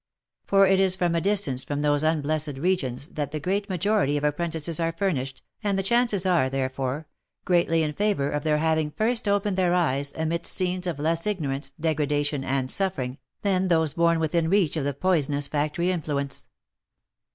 For it is from a distance from those unblessed regions, that the great majority of apprentices are furnished, and the chances are, therefore, greatly in favour of their having first opened their eyes amidst scenes of less ignorance, degradation, and suffering, than those born within reach of the poisonous factory influence.